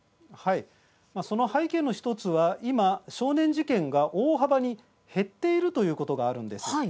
その背景の１つは今、少年事件が大幅に減っているということがあるんです。